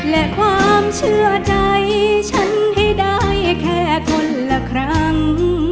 และความเชื่อใจฉันให้ได้แค่คนละครั้ง